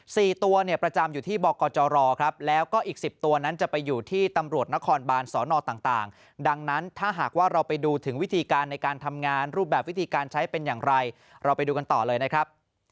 ตัวเนี่ยประจำอยู่ที่บกจรครับแล้วก็อีกสิบตัวนั้นจะไปอยู่ที่ตำรวจนครบานสอนอต่างต่างดังนั้นถ้าหากว่าเราไปดูถึงวิธีการในการทำงานรูปแบบวิธีการใช้เป็นอย่างไรเราไปดูกันต่อเลยนะครับ